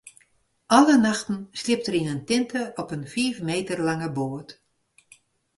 Alle nachten sliept er yn in tinte op in fiif meter lange boat.